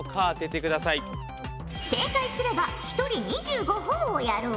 正解すれば１人２５ほぉをやろう。